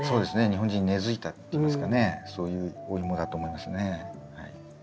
日本人に根づいたっていいますかねそういうおイモだと思いますねはい。